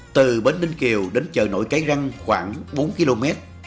từ bến ninh kiều đến chợ nổi cái răng khoảng bốn km